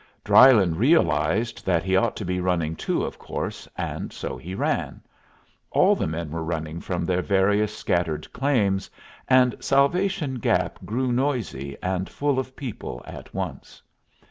Drylyn realized that he ought to be running too, of course, and so he ran. All the men were running from their various scattered claims, and Salvation Gap grew noisy and full of people at once.